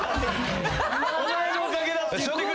お前のおかげだって言ってくれ。